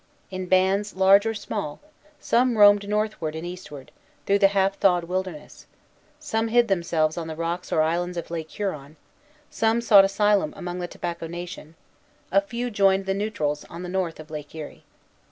In bands, large or small, some roamed northward and eastward, through the half thawed wilderness; some hid themselves on the rocks or islands of Lake Huron; some sought an asylum among the Tobacco Nation; a few joined the Neutrals on the north of Lake Erie.